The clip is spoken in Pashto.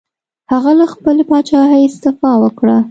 هغه له خپلې پاچاهۍ استعفا وکړه.